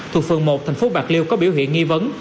thuộc phường một thành phố bạc liêu có biểu hiện nghi vấn